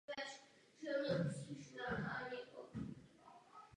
Také v letech za druhé světové války obec opět bojovala.